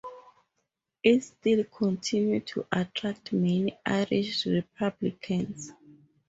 It still continued to attract many Irish Republicans.